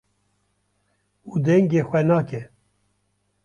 û dengê xwe nake.